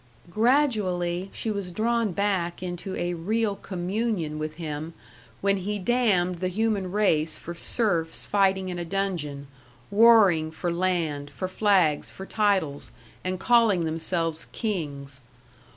Gradually she was drawn back into a real communion with him when he damned the human race for serfs fighting in a dungeon, warring for land, for flags, for titles, and calling themselves kings.